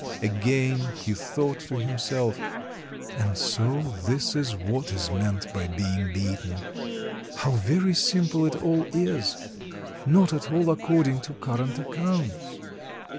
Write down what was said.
Again he thought to him self, "And so this is what is meant by being beaten; how very simple it all is; not at all according to current accounts."